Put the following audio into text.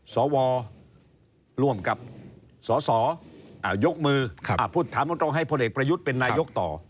สวร่วมกับสสยกมือพูดถามตรงให้พลเอกประยุทธ์เป็นนายกต่อ